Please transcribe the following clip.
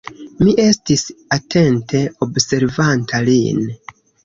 Mi estis atente observanta lin.